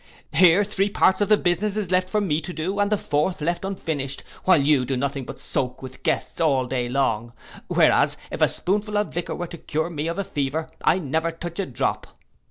Here three parts of the business is left for me to do, and the fourth left unfinished; while you do nothing but soak with the guests all day long, whereas if a spoonful of liquor were to cure me of a fever, I never touch a drop.